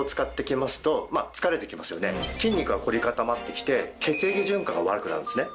筋肉が凝り固まってきて血液循環が悪くなるんですね。